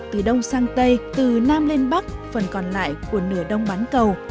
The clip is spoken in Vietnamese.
từ đông sang tây từ nam lên bắc phần còn lại của nửa đông bán cầu